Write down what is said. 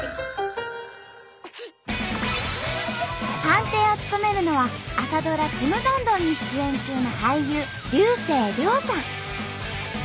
判定を務めるのは朝ドラ「ちむどんどん」に出演中の俳優竜星涼さん。